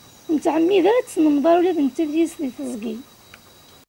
Ur nettɛemmid ara ad tennemḍar ula d nettat yid-s deg tezgi.